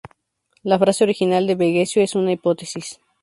La frase original de Vegecio es una hipótesis.